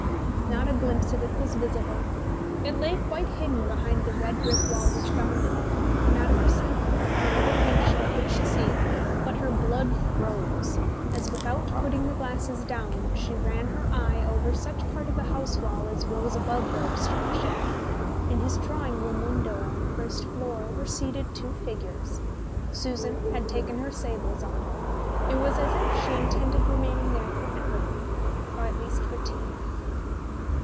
... Not a glimpse of it was visible. It lay quite hidden behind the red brick wall which bounded it, and not a chrysanthemum or a fuchsia could she see. But her blood froze as, without putting the glasses down, she ran her eye over such part of the house wall as rose above the obstruction. In his drawing room window on the first floor were seated two figures. Susan had taken her sables off: it was as if she intended remaining there for ever, or at least for tea.